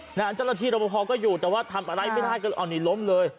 ใช่ในอันเจ้าหน้าที่รมภองก็อยู่แต่ว่าทำอะไรไม่ได้ก็เอาหนีล้มเลย